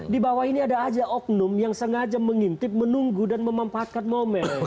di bawah ini ada aja oknum yang sengaja mengintip menunggu dan memampatkan momen